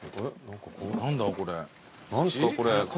何だこれ。